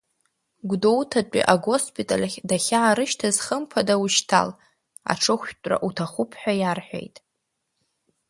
Гәдоуҭатәи агоспиталь ахь дахьаарышьҭыз хымԥада ушьҭал, аҽыхәшәтәра уҭахуп ҳәа иарҳәеит.